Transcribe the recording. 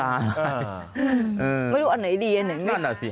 ไม่รู้อันไหนดีอันไหนสิ